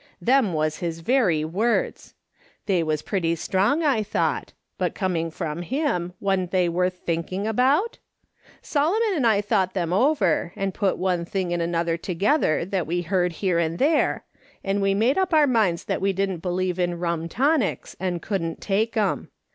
Them was his very words. They was pretty strong, I thought ; but coming from him, wa'n't they worth thinking about ? Solomon 300 MkS. SOLOMOM SMITH LOOKING OA^. and I thouglit them over, and put one thing and another together that we heard here and there, and we made up our minds that we didn't believe in rum tonics and couhhi't take 'em.